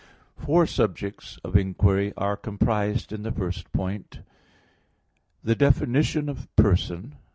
Four subjects of inquiry are comprised in the first point: (1) The definition of "person."